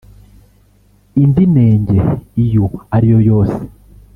indi nenge iyo ariyo yose